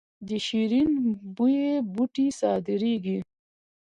د شیرین بویې بوټی صادریږي